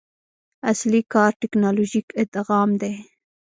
اصلي کار ټکنالوژیک ادغام دی.